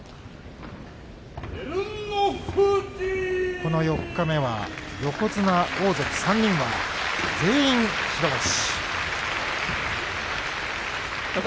この四日目は横綱大関３人が全員白星。